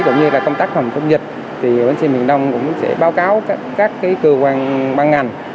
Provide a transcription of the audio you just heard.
tất cả các công tác phòng chống dịch thì bến xe miền đông cũng sẽ báo cáo các cơ quan băng ngành